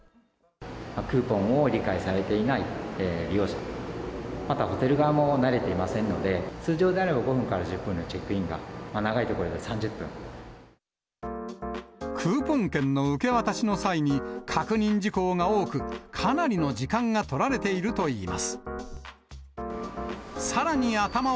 クーポンを理解されていない利用者、またホテル側も慣れていませんので、通常であれば５分から１０分のチェックインが、長いところではクーポン券の受け渡しの際に、確認事項が多く、かなりの時間が取られているといいます。